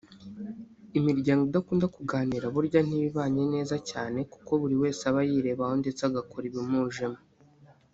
Imiryango idakunda kuganira burya ntiba ibanye neza cyane ko buri wese aba yirebaho ndetse agakora ibimujemo